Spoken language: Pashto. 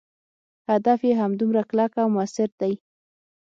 هدف یې همدومره کلک او موثر دی.